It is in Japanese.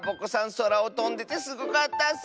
そらをとんでてすごかったッス！